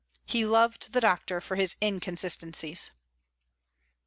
He loved the doctor for his inconsistencies.